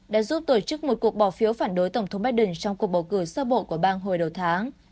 đã giúp tổ chức một cuộc bỏ phiếu phản đối tổng thống biden trong cuộc bầu cử sơ bộ của bang hồi đầu tháng